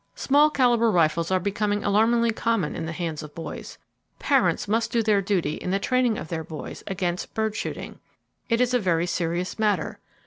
Small calibre rifles are becoming alarmingly common in the hands of boys. Parents must do their duty in the training of their boys against bird shooting! It is a very serious matter.